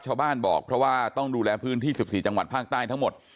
ชาวบ้านบอกเพราะว่าต้องดูแลพื้นที่๑๔จังหวัดภาคใต้ทั้งหมด